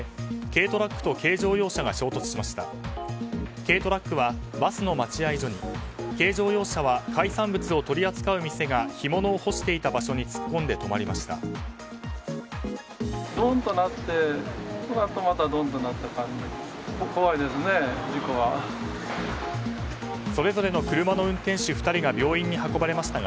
軽トラックはバスの待合所に軽乗用車は海産物を取り扱う店が干物を干していた場所に突っ込んで止まりました。